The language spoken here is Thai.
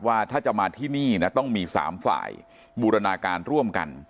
ว่าถ้าจะมาที่นี่นะต้องมี๓ฝ่ายบูรณาการร่วมกัน